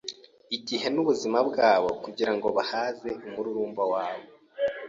igihe n’ubuzima bwabo kugira ngo bahaze umururumba wabo,